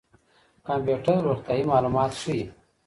کمپيوټر روغتيايي معلومات ښيي.